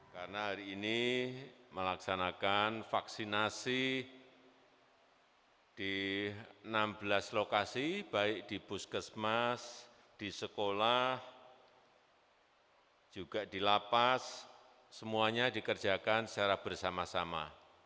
karena hari ini melaksanakan vaksinasi di enam belas lokasi baik di puskesmas di sekolah juga di lapas semuanya dikerjakan secara bersama sama